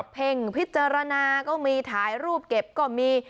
เพ่งพิจารณาก็มีถ่ายรูปเก็บก็มี